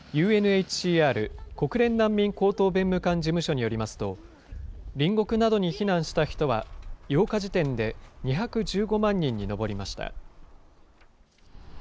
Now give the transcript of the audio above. ＵＮＨＣＲ・国連難民高等弁務官事務所によりますと、隣国などに避難した人は８日時点で２１５万人に上りました。